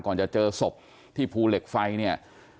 ก่อนจะเจอศพที่ภูเหล็กไฟเนี่ย